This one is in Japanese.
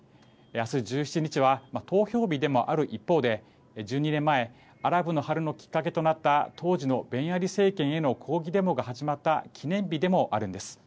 明日１７日は投票日でもある一方で１２年前、アラブの春のきっかけとなった当時のベンアリ政権への抗議デモが始まった記念日でもあるんです。